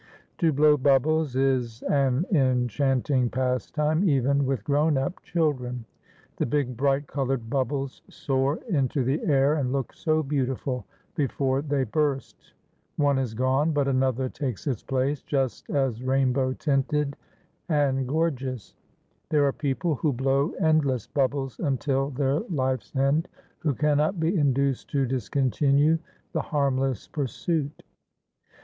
To blow bubbles is an enchanting pastime even with grown up children. The big bright coloured bubbles soar into the air and look so beautiful before they burst. One is gone, but another takes its place, just as rainbow tinted, and gorgeous. There are people who blow endless bubbles until their life's end, who cannot be induced to discontinue the harmless pursuit.